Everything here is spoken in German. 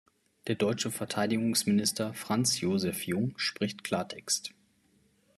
Der deutsche Verteidigungsminister Franz Joseph Jung spricht Klartext.